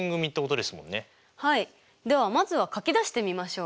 はいではまずは書き出してみましょうか。